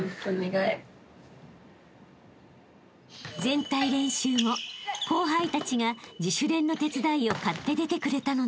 ［全体練習後後輩たちが自主練の手伝いを買って出てくれたのです］